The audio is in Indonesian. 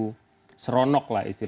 mulai dari dakwaan surat dakwaan yang begitu